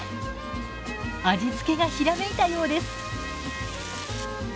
味付けがひらめいたようです。